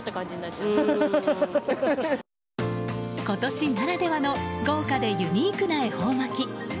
今年ならではの豪華でユニークな恵方巻き。